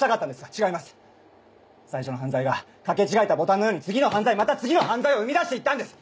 最初の犯罪が掛け違えたボタンのように次の犯罪また次の犯罪を生み出して行ったんです！